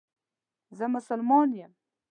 زه مسلمان یم